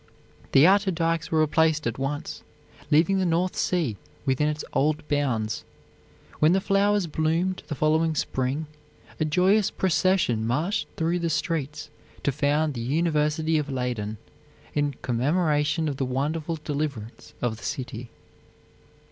The outer dikes were replaced at once, leaving the North Sea within its old bounds. When the flowers bloomed the following spring, a joyous procession marched through the streets to found the University of Leyden, in commemoration of the wonderful deliverance of the city.